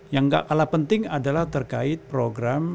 yang gak kalah penting adalah terkait program